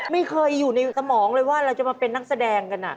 ไม่เคยอยู่ในสมองเลยว่าเราจะมาเป็นนักแสดงกัน